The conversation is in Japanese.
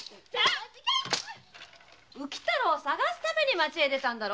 浮太郎を捜すために町へ出たんだろ！